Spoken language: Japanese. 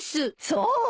そう？